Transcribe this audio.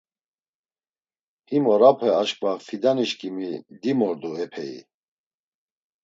Him orape aşǩva Fidanişǩimi dimordu epeyi.